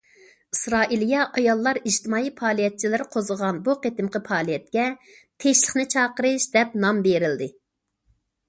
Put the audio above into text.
ئىسرائىلىيە ئاياللار ئىجتىمائىي پائالىيەتچىلىرى قوزغىغان بۇ قېتىمقى پائالىيەتكە« تىنچلىقنى چاقىرىش» دەپ نام بېرىلدى.